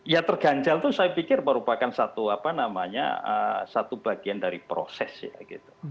ya terganjal itu saya pikir merupakan satu apa namanya satu bagian dari proses ya gitu